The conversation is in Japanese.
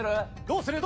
どうする？